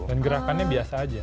dan gerakannya biasa aja